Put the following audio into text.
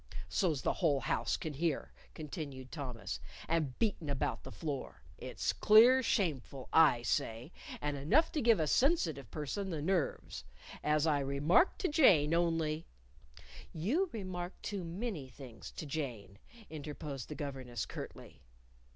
" So's the whole house can hear," continued Thomas; "and beatin' about the floor. It's clear shameful, I say, and enough to give a sensitive person the nerves. As I remarked to Jane only " "You remark too many things to Jane," interposed the governess, curtly.